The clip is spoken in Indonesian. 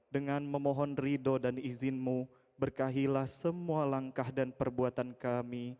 dengan memohon ridho dan izinmu berkahilah semua langkah dan perbuatan kami